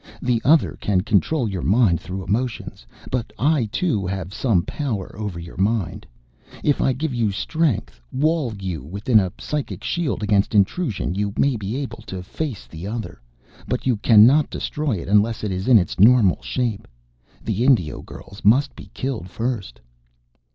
The Other can control your mind through emotions. But I, too, have some power over your mind. If I give you strength, wall you with a psychic shield against intrusion, you may be able to face the Other. But you cannot destroy it unless it is in its normal shape. The Indio girls must be killed first...."